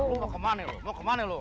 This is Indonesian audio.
lu mau kemana lu